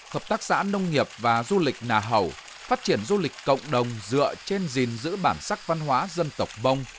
hợp tác xã nông nghiệp và du lịch nà hầu phát triển du lịch cộng đồng dựa trên gìn giữ bản sắc văn hóa dân tộc mông